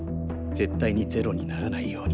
絶対に０にならないように。